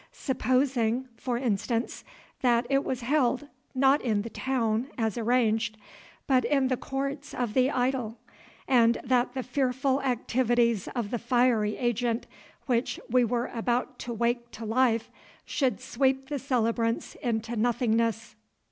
Supposing, for instance, that it was held, not in the town, as arranged, but in the courts of the idol, and that the fearful activities of the fiery agent which we were about to wake to life should sweep the celebrants into nothingness.